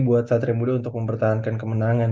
buat satria muda untuk mempertahankan kemenangan